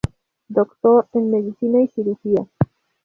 Doctor en Medicina y Cirugía.